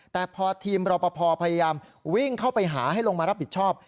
แต่พอทีมรอปภพยายามวิ่งเข้าไปหาให้ลงมารับผิดชอบ